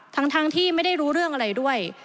ทั้งที่ไม่ได้รู้เรื่องอะไรด้วย